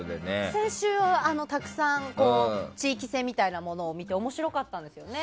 先週はたくさん地域性みたいなものを見て面白かったんですよね。